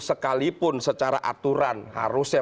sekalipun secara aturan harusnya